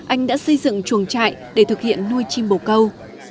anh đã xây dựng chuồng trại để thực hiện nuôi chim bồ câu